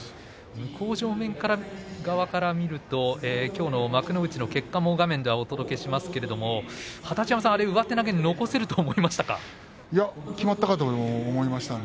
向正面側から見るときょうの幕内の結果も画面では、お届けしますけれども二十山さん、あれは上手投げを残せると思いましたか。